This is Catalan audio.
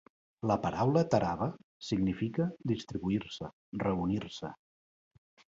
La paraula "tarava" significa "distribuir-se, reunir-se".